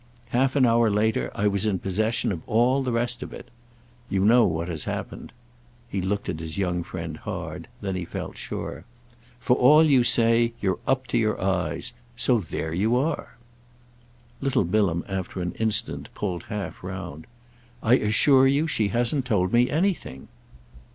Half an hour later I was in possession of all the rest of it. You know what has happened." He looked at his young friend hard—then he felt sure. "For all you say, you're up to your eyes. So there you are." Little Bilham after an instant pulled half round. "I assure you she hasn't told me anything."